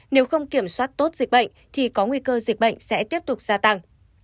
nếu không kiểm soát tốt dịch bệnh thì có nguy cơ dịch bệnh sẽ tiếp tục gia tăng